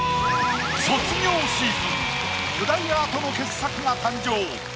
卒業シーズン巨大アートの傑作が誕生。